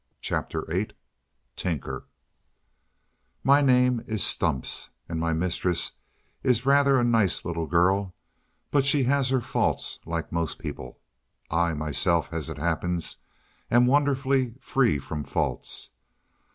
Doggy Tales Tinker MY name is Stumps, and my mistress is rather a nice little girl; but she has her faults, like most people. I myself, as it happens, am wonderfully free from faults.